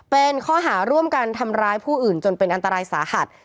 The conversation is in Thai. เป็นข้อหาร่วมกันทำร้ายผู้อื่นจนเป็นอันตรายสาหัส